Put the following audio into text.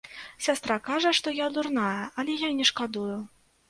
Сястра кажа, што я дурная, але я не шкадую.